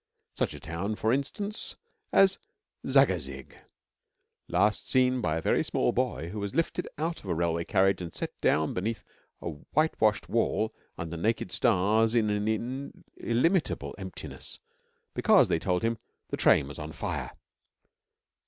Such a town, for instance, as Zagazig, last seen by a very small boy who was lifted out of a railway carriage and set down beneath a whitewashed wall under naked stars in an illimitable emptiness because, they told him, the train was on fire.